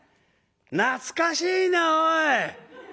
懐かしいなおい。